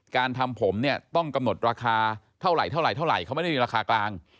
การทำผมเนี่ยต้องกำหนดราคาเท่าไหร่เท่าไหร่เขาไม่ได้มีราคากลาง